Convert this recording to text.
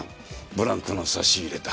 ブランクの差し入れだ。